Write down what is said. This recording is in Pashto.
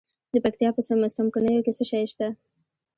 د پکتیا په څمکنیو کې څه شی شته؟